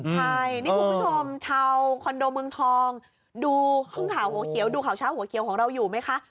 ใช่นี่คุณผู้ชมชาวคอนโดเมืองทองดูข่าวชาวหัวเขียวของเราอยู่ไหมคะ